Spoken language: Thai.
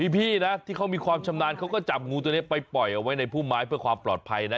พี่นะที่เขามีความชำนาญเขาก็จับงูตัวนี้ไปปล่อยเอาไว้ในพุ่มไม้เพื่อความปลอดภัยนะ